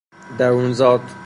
درونزاد